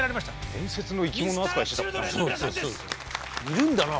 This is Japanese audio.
いるんだな。